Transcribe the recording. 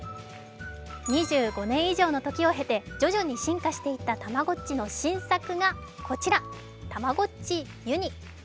２５年以上の時を経て徐々に進化していったたまごっちの新作がこちら、たまごっちユニ。